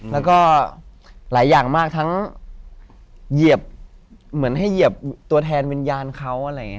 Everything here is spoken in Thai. แล้วก็หลายอย่างมากทั้งเหยียบเหมือนให้เหยียบตัวแทนวิญญาณเขาอะไรอย่างนี้